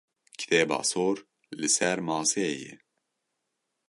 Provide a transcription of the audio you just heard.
Kitêba sor li ser maseyê ye.